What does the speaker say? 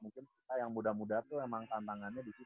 mungkin kita yang muda muda tuh emang tantangannya di situ